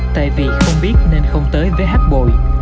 tại vì không biết nên không tới với hát bội